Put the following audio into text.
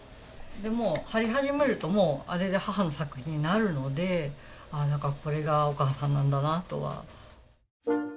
もう貼り始めるともうあれで母の作品になるのでこれがお母さんなんだなとは。